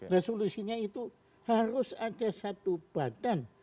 resolusinya itu harus ada satu badan